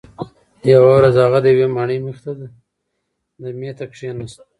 یوه ورځ هغه د یوې ماڼۍ مخې ته دمې ته کښیناست.